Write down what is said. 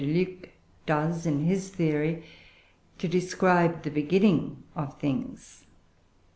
de Luc] does in his theory, to describe the beginning of things.